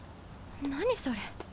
何それ。